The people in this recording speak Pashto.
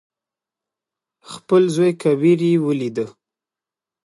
خپل زوى کبير يې ولېد.